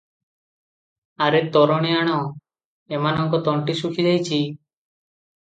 ଆରେ ତୋରାଣି ଆଣ, ଏମାନଙ୍କ ତଣ୍ଟି ଶୁଖିଯାଇଛି ।